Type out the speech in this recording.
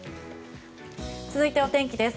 続いてお天気です。